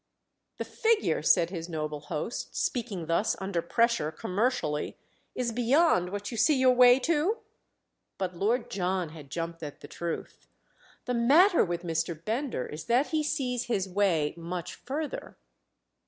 "The figure," said his noble host—speaking thus, under pressure, commercially—"is beyond what you see your way to?" But Lord John had jumped at the truth. "The matter with Mr. Bender is that he sees his way much further."